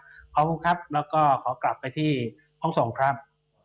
ขอบคุณครับแล้วก็ขอกลับไปที่ห้องส่งครับ